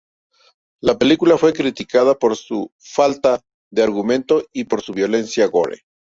La película fue criticada por su falta de argumento y por su violencia gore.